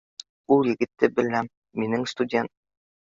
- Ул егетте беләм, минең студент